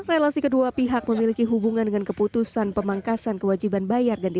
relasi kedua pihak memiliki hubungan dengan keputusan pemangkasan kewajiban bayar ganti